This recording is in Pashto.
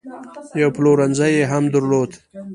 یو پلورنځی یې هم درلود.